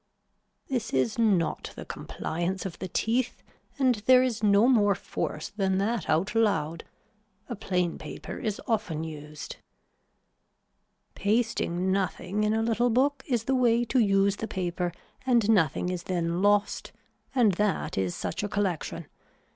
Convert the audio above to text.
This is not the compliance of the teeth and there is no more force than that out loud. A plain paper is often used. Pasting nothing in a little book is the way to use the paper and nothing is then lost and that is such a collection.